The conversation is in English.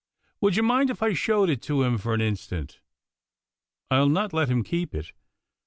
" Would you mind if I showed it to him for an instant ? I'll not let him keep it.